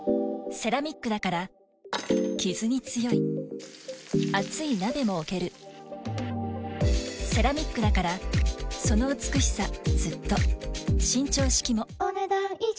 セラミックだからキズに強い熱い鍋も置けるセラミックだからその美しさずっと伸長式もお、ねだん以上。